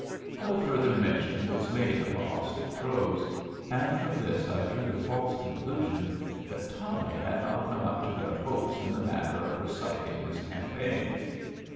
No further mention was made of the hostile Crows, and from this I drew the false conclusion that Tommy had not come up to their hopes in the matter of reciting his campaigns.